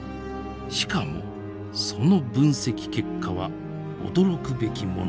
しかもその分析結果は驚くべきものでした。